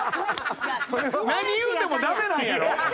何言うてもダメなんやろ？